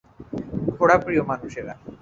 ঘোড়াপ্রিয় মানুষ এরা।